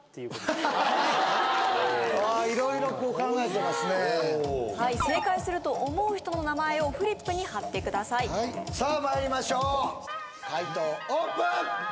あ色々考えてますね成功すると思う人の名前をフリップに貼ってくださいさあまいりましょう解答オープン！